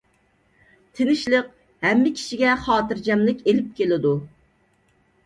تىنچلىق ھەممە كىشىگە خاتىرجەملىك ئىلىپ كېلىدۇ.